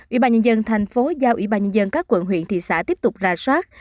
ủy ban nhân dân thành phố giao ủy ban nhân dân các quận huyện thị xã tiếp tục ra soát